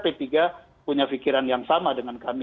punya pikiran yang sama dengan kami